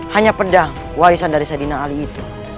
hanya pedang warisan dari sadina ali itu